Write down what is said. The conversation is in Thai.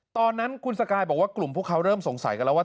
ตอนนั้นคุณสกายบอกว่ากลุ่มพวกเขาเริ่มสงสัยกันแล้วว่า